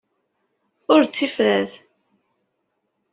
Ur d tifrat.